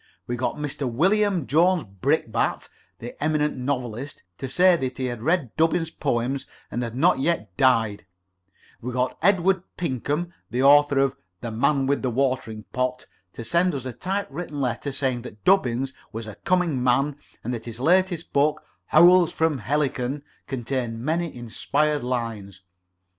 We got Mr. William Jones Brickbat, the eminent novelist, to say that he had read Dubbins's poems, and had not yet died; we got Edward Pinkham, the author of "The Man with the Watering pot," to send us a type written letter, saying that Dubbins was a coming man, and that his latest book, Howls from Helicon, contained many inspired lines.